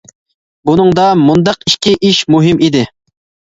بۇنىڭدا مۇنداق ئىككى ئىش مۇھىم ئىدى.